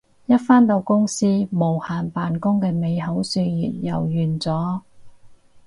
一返到公司無限扮工嘅美好歲月又完咗